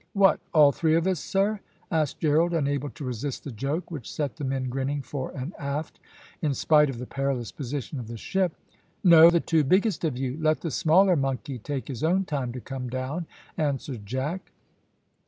"What, all three of us, sir?" asked Gerald, unable to resist the joke, which set the men grinning fore and aft, in spite of the perilous position of the ship. "No; the two biggest of you; let the smaller monkey take his own time to come down," answered Jack.